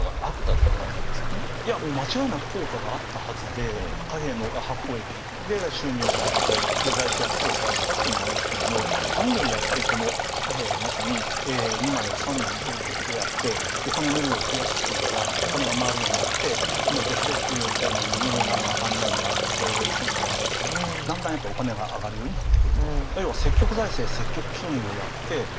いやもう間違いなく効果があったはずで貨幣の発行益で収入が入って財政赤字を減らしたっていうのもあるんですけども何よりやっぱりこの貨幣をまさに２枚を３枚にするっていうことをやってお金の量を増やすっていうのはお金が回るようになってこのデフレっていう物の値段が上がんないのがちょっと変わってきてだんだんお金が上がるようになってくると。